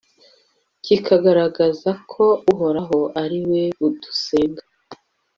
kigaragaza ko uhoraho ari we dusenga